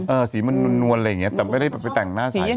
สีมันนวลอะไรอย่างเงี้แต่ไม่ได้ไปแต่งหน้าใส